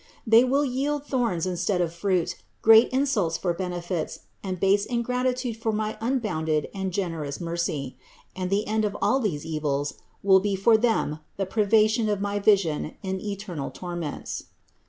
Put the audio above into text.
They will yield thorns instead of fruit, great insults for benefits, and base ingratitude for my unbounded and gen erous mercy; and the end of all these evils will be for them the privation of my vision in eternal torments.